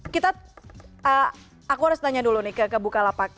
kita aku harus tanya dulu nih ke bukalapak